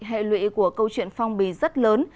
hệ lụy của câu chuyện phong bì rất lớn